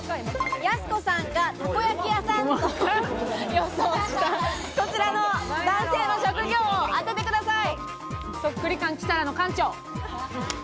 やす子さんがたこ焼き屋さんと予想した、こちらの男性の職業を当ててください。